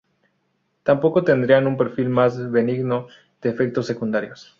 Tampoco tendría un perfil más benigno de efectos secundarios.